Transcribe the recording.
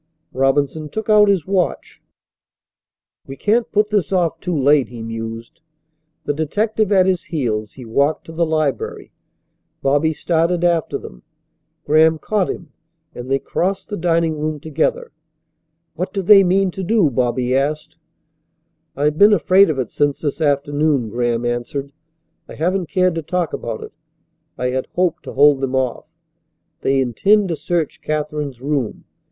Robinson took out his watch. "We can't put this off too late," he mused. The detective at his heels, he walked to the library. Bobby started after them. Graham caught him and they crossed the dining room together. "What do they mean to do?" Bobby asked. "I have been afraid of it since this afternoon," Graham answered. "I haven't cared to talk about it. I had hoped to hold them off. They intend to search Katherine's room.